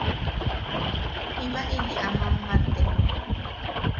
Jiba ili a mammate.